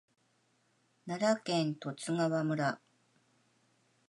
奈良県十津川村